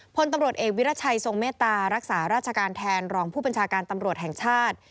พลตำรวจเอกวิรัชัยทรงเมตตารักษาราชการแทนรองผู้บัญชาการตำรวจแห่งชาติ